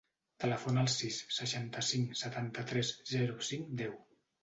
Telefona al sis, seixanta-cinc, setanta-tres, zero, cinc, deu.